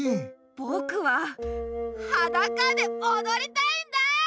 ぼくははだかでおどりたいんだあ！